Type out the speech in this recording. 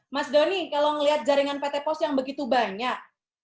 mas doni kalau melihat jaringan pt pos yang begitu banyak